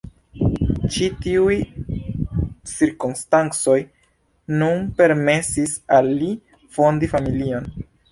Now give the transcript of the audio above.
Ĉi tiuj cirkonstancoj nun permesis al li fondi familion.